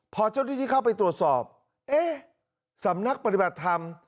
พอเจ้าหน้าที่เข้าไปตรวจสอบเอ๊ะสำนักปฏิบัติธรรม